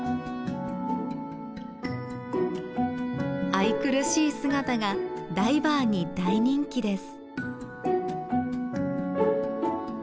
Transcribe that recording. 愛くるしい姿がダイバーに大人気です。